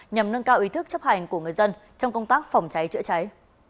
nhằm nâng cao ý thức chấp hành của người dân trong công tác phòng cháy chữa cháy